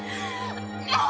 もう！！